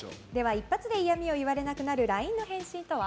一発で嫌味を言われなくなるＬＩＮＥの返信とは？